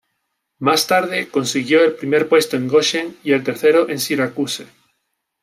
Más tarde consiguió el primer puesto en Goshen y el tercero en Syracuse.